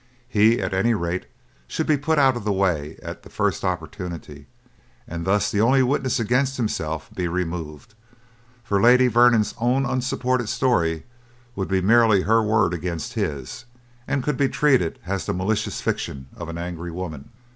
He, at any rate, should be put out of the way at the first opportunity, and thus the only witness against himself be removed; for Lady Vernon's own unsupported story would be merely her word against his, and could be treated as the malicious fiction of an angry woman.